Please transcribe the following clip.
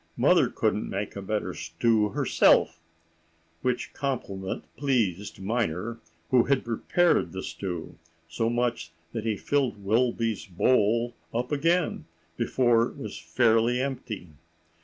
Mother couldn't make a better stew herself,"—which compliment pleased Minor, who had prepared the stew, so much that he filled Wilby's bowl up again before it was fairly empty.